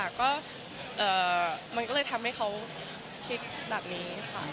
ก็มันก็เลยทำให้เขาคิดแบบนี้ค่ะ